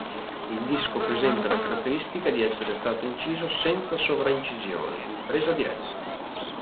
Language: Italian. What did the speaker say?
Il disco presenta la caratteristica di essere stato inciso senza sovraincisioni, in presa diretta.